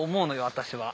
私は。